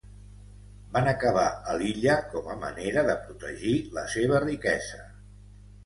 Van acabar a l'illa com a manera de protegir la seva riquesa.